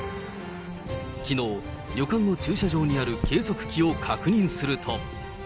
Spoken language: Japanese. きのう、旅館の駐車場にある計測器を確認すると。